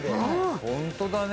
ホントだね。